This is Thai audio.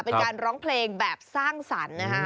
เป็นการร้องเพลงแบบสร้างสรรค์นะคะ